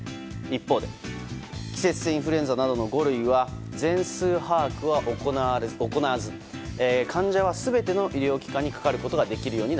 一方で季節性インフルエンザなどの五類は全数把握は行わず患者は全ての医療機関にかかることができます。